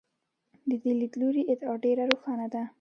د دې لیدلوري ادعا ډېره روښانه ده.